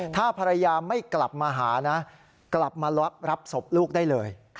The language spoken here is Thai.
ถ้าภรรยาไม่กลับมาหานะกลับมารับศพลูกได้เลย